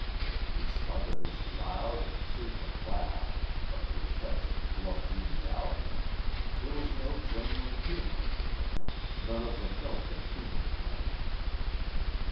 In spite of his loud and frequent laugh, of the effect of bluff geniality, there was no genuine humor in the man, none of the milk of human kindness.